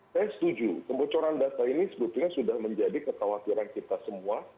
saya setuju kebocoran data ini sebetulnya sudah menjadi kekhawatiran kita semua